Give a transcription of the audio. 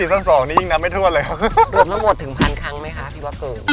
มันทำให้คนเชื่อได้ในตัวละคร